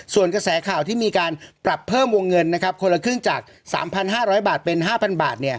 ส่วนกระแสข่าวที่มีการปรับเพิ่มวงเงินคนละครึ่งจาก๓๕๐๐บาทเป็น๕๐๐บาท